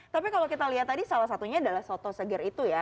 tapi kalau kita lihat tadi salah satunya adalah soto seger itu ya